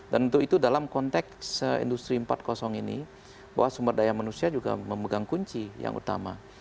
dan untuk itu dalam konteks industri empat ini bahwa sumber daya manusia juga memegang kunci yang utama